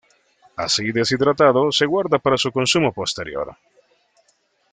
Así deshidratado se guarda para su consumo posterior.